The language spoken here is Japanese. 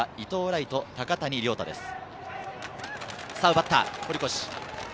奪った、堀越。